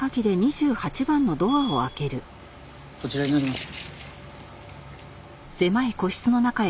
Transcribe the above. こちらになります。